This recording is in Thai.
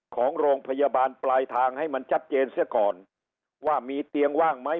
ของโรงพยาบาลปลายทางให้มันชัดเจนเสียก่อนว่ามีเตียงว่างไหม